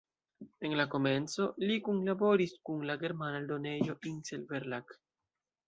En la komenco li kunlaboris kun la germana eldonejo Insel-Verlag.